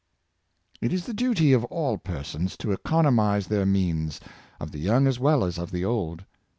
It is the duty of all persons to economize their means — of the young as well as of the old.